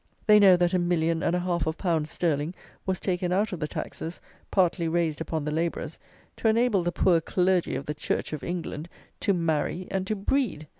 They know that a million and a half of pounds sterling was taken out of the taxes, partly raised upon the labourers, to enable the poor Clergy of the Church of England to marry and to breed.